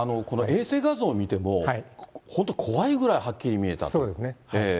この衛星画像を見ても、本当怖いぐらいはっきり見えたと。